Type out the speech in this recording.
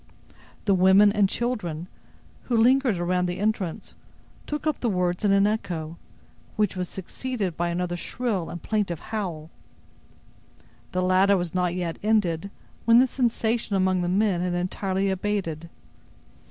The women and children, who lingered around the entrance, took up the words in an echo, which was succeeded by another shrill and plaintive howl. The latter was not yet ended, when the sensation among the men had entirely abated.